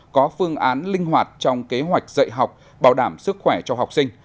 có phương án linh hoạt trong kế hoạch dạy học bảo đảm sức khỏe cho học sinh